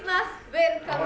ウエルカム。